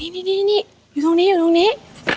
นี่อยู่ตรงนี้อยู่ตรงนี้